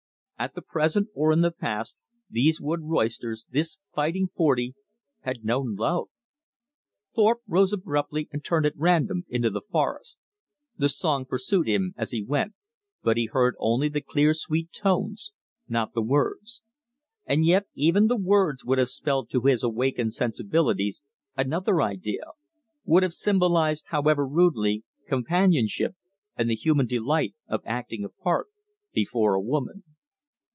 At the present or in the past these woods roisterers, this Fighting Forty, had known love. Thorpe arose abruptly and turned at random into the forest. The song pursued him as he went, but he heard only the clear sweet tones, not the words. And yet even the words would have spelled to his awakened sensibilities another idea, would have symbolized however rudely, companionship and the human delight of acting a part before a woman.